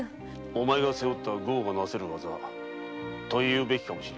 お前が背負った業がなせる業と言うべきかも。